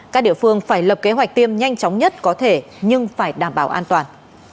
các địa phương phải lập kế hoạch tiêm nhanh chóng nhất có thể nhưng phải đảm bảo an toàn